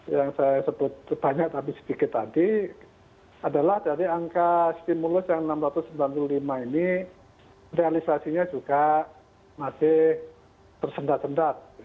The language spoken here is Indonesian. yang saya sebut banyak tapi sedikit tadi adalah dari angka stimulus yang enam ratus sembilan puluh lima ini realisasinya juga masih tersendat sendat